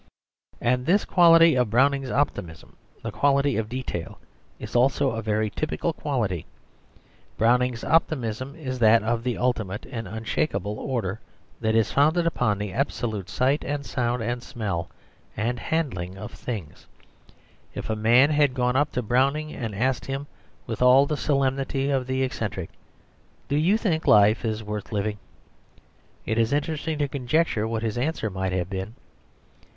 And this quality of Browning's optimism, the quality of detail, is also a very typical quality. Browning's optimism is of that ultimate and unshakeable order that is founded upon the absolute sight, and sound, and smell, and handling of things. If a man had gone up to Browning and asked him with all the solemnity of the eccentric, "Do you think life is worth living?" it is interesting to conjecture what his answer might have been.